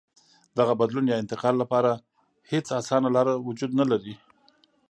دغه بدلون یا انتقال لپاره هېڅ اسانه لار وجود نه لري.